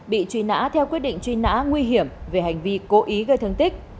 bị truy nã theo quyết định truy nã nguy hiểm về hành vi cố ý gây thương tích